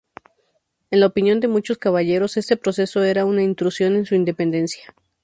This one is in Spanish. En la opinión de muchos caballeros este proceso era una intrusión en su independencia.